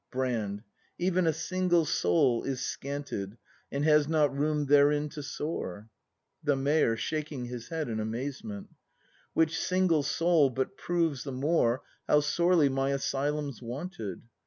Brand. Even a single soul is scanted. And has not room therein to soar. The Mayor. [Shaking his head in amazement.] (Which single soul but proves the more How sorely my Asylum's wanted.)